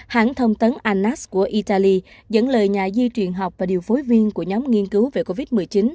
hãng thông tấn anas của italy dẫn lời nhà di truyền học và điều phối viên của nhóm nghiên cứu về covid một mươi chín